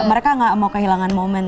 mereka nggak mau kehilangan momen